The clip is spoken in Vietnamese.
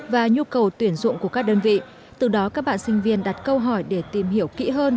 và nhu cầu tuyển dụng của các đơn vị từ đó các bạn sinh viên đặt câu hỏi để tìm hiểu kỹ hơn